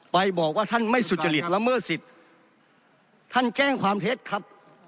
ไปบอกว่าท่านไม่สุจริตละเมิดสิทธิ์ท่านแจ้งความเท็จครับ